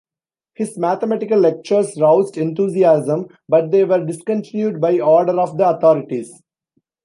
His mathematical lectures roused enthusiasm, but they were discontinued by order of the authorities.